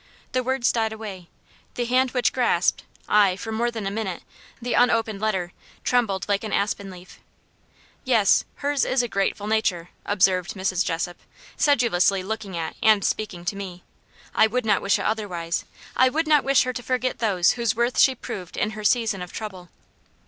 The words died away the hand which grasped, ay, for more than a minute, the unopened letter, trembled like an aspen leaf. "Yes, hers is a grateful nature," observed Mrs. Jessop, sedulously looking at and speaking to me. "I would not wish it otherwise I would not wish her to forget those whose worth she proved in her season of trouble."